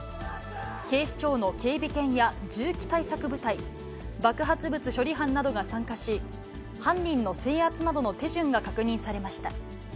警視庁の警備犬や銃器対策部隊、爆発物処理班などが参加し、犯人の制圧などの手順が確認されました。